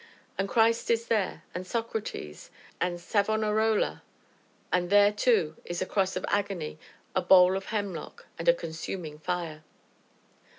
And Christ is there, and Socrates, and Savonarola and there, too, is a cross of agony, a bowl of hemlock, and a consuming fire.